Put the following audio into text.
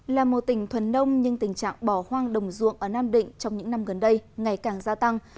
là một tỉnh thuần nông nhưng tình trạng bỏ hoang đồng ruộng ở nam định trong những năm gần đây ngày càng gia tăng